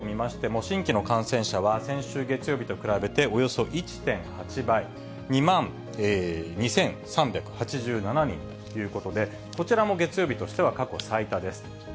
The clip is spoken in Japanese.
また、この東京都だけを見ましても、新規の感染者は先週月曜日と比べて、およそ１．８倍、２万２３８７人ということで、こちらも月曜日としては過去最多です。